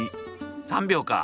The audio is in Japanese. ３秒か。